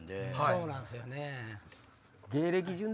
そうなんすよね。